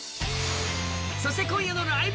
そして今夜の「ライブ！